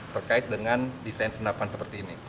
terkait dengan desain senapan seperti ini